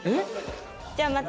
じゃあまた。